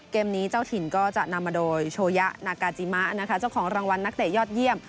เกมนี้เจ้าถิ่นก็จะนำมาโดยโชยะนากาจิมะนะคะเจ้าของรางวัลนักเตะยอดเยี่ยม